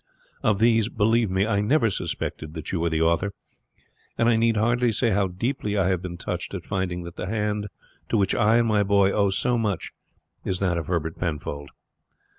Of these, believe me, I never suspected that you were the author; and I need hardly say how deeply I have been touched at finding that the hand to which I and my boy owe so much is that of Herbert Penfold.